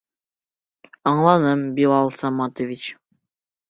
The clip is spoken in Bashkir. Аңланым, Билал Саматович.